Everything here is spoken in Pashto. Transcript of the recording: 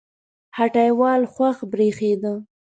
هټۍوال خوښ برېښېده